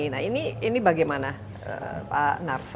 nah ini bagaimana pak narso